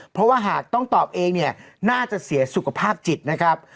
เพราะว่าหากต้องตอบเองเนี่ยน่าจะเสียสุขภาพจิตนะครับ